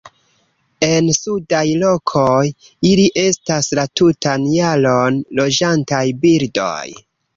En sudaj lokoj, ili estas la tutan jaron loĝantaj birdoj.